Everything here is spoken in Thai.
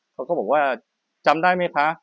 เขาก็บอกว่าจำได้ไหมคะ